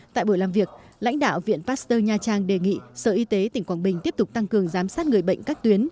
tại buổi làm việc lãnh đạo viện pasteur nha trang đề nghị sở y tế tỉnh quảng bình tiếp tục tăng cường giám sát người bệnh các tuyến